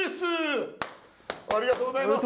ありがとうございます！